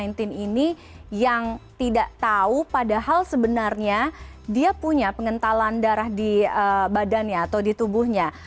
covid sembilan belas ini yang tidak tahu padahal sebenarnya dia punya pengentalan darah di badannya atau di tubuhnya